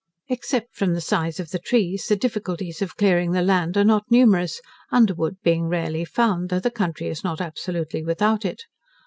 Except from the size of the trees, the difficulties of clearing the land are not numerous, underwood being rarely found, though the country is not absolutely without it.